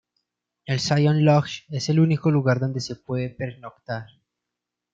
El Zion Lodge es el único lugar donde se puede pernoctar.